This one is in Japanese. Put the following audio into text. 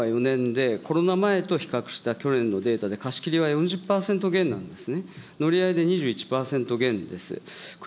地元のバス協のデータでは、令和４年でコロナ前と比較した去年のデータで、貸し切りは４０％減なんですね。